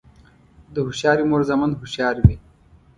د هوښیارې مور زامن هوښیار وي.